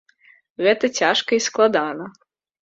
Гэта цяжка і складана.